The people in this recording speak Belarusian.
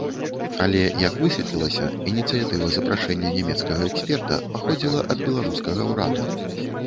Але, як высветлілася, ініцыятыва запрашэння нямецкага эксперта паходзіла ад беларускага ураду.